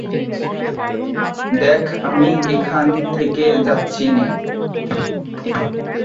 দেখে আমি এখান থেকে যাচ্ছি নে!